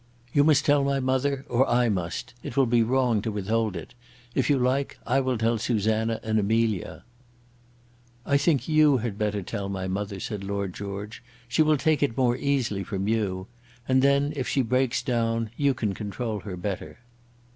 "You must tell my mother, or I must. It will be wrong to withhold it. If you like, I will tell Susanna and Amelia." "I think you had better tell my mother," said Lord George; "she will take it more easily from you. And then, if she breaks down, you can control her better."